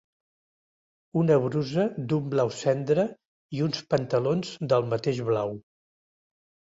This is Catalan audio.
Una brusa d'un blau cendra i uns pantalons del mateix blau